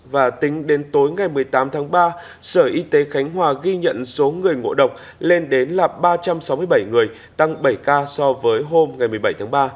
và tính đến tối ngày một mươi tám tháng ba sở y tế khánh hòa ghi nhận số người ngộ độc lên đến là ba trăm sáu mươi bảy người tăng bảy ca so với hôm một mươi bảy tháng ba